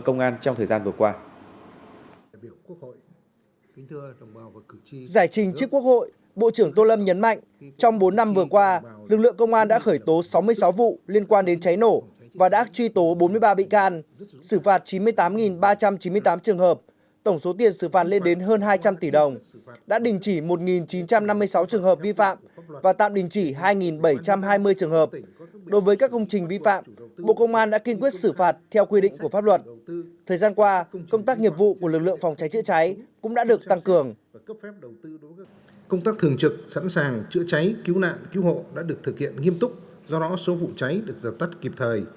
công tác thường trực sẵn sàng chữa cháy cứu nạn cứu hộ đã được thực hiện nghiêm túc do đó số vụ cháy được giật tắt kịp thời